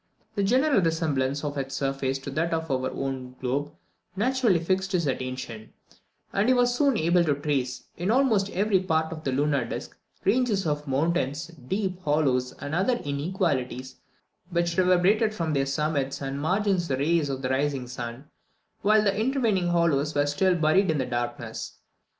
The general resemblance of its surface to that of our own globe naturally fixed his attention; and he was soon able to trace, in almost every part of the lunar disc, ranges of mountains, deep hollows, and other inequalities, which reverberated from their summits and margins the rays of the rising sun, while the intervening hollows were still buried in darkness.